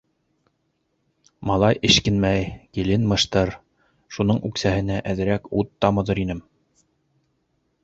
Малай эшкинмәй, килен мыштыр, шуның үксәһенә әҙерәк ут тамыҙыр инем.